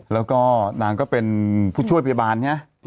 แล้วก็นางก็เป็นผู้ช่วยพยาบาลไง